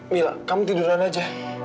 mila kamu tiduran aja